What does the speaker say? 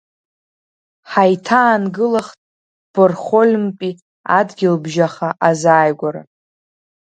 Ҳаиҭаангылахт Борнхольмтәи адгьылбжьаха азааигәара.